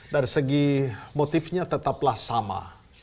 dari segi motifnya tetaplah sama